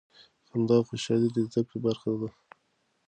خندا او خوشحالي د زده کړې برخه ده.